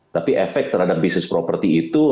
tapi efek terhadap bisnis properti itu